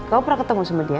kamu pernah ketemu sama dia